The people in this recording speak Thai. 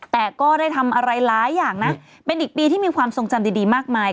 แต่ก็ได้ทำอะไรหลายอย่างนะเป็นอีกปีที่มีความทรงจำดีมากมาย